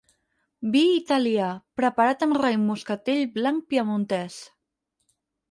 Vi italià, preparat amb raïm moscatell blanc piemontès.